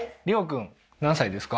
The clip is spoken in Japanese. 君何歳ですか？